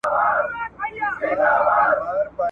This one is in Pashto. په هندوستان کي اريايانو